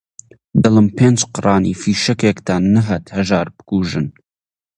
دڵی پێنج قڕانی فیشەکێکتان نەهات هەژار بکوژن